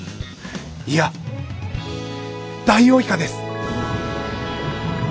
いやダイオウイカです！